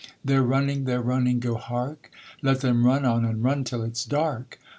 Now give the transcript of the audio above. They're running they're running, Go hark! Let them run on and run till it's dark!